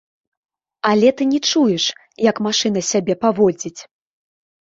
Але ты не чуеш, як машына сябе паводзіць.